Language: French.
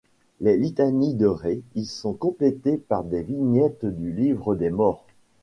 Les litanies de Rê y sont complétées par des vignettes du livre des morts.